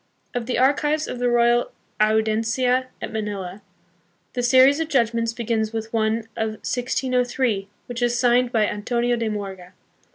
Of the archives of the Royal Audiencia at Manila, the series of judgments begins with one of 1603, which is signed by Antonio de Morga.